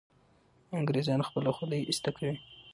انګریزان خپله خولۍ ایسته کوي.